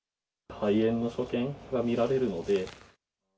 肺炎の所見が見られるので。